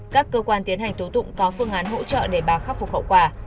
các cơ quan tiến hành tố tụng có phương án hỗ trợ để bà khắc phục hậu quả